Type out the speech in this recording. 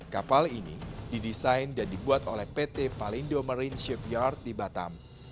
kapal ini didesain dan dibuat oleh pt palindo marineship yard di batam